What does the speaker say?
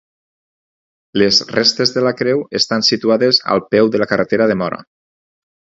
Les restes de la creu estan situades al peu de la carretera de Móra.